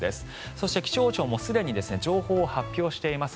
そして気象庁もすでに情報を発表しています。